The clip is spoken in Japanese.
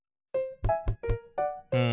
うん。